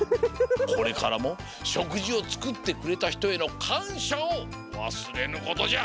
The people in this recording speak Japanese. これからもしょくじをつくってくれたひとへのかんしゃをわすれぬことじゃ！